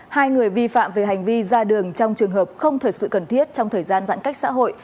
hai người vi phạm về hành vi ra đường trong trường hợp không thật sự cần thiết trong thời gian giãn cách xã hội